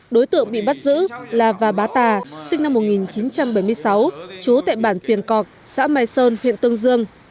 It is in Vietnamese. đối tượng bị bắt giữ là và bá tà sinh năm một nghìn chín trăm bảy mươi sáu trú tại bản piền cọc xã mai sơn huyện tương dương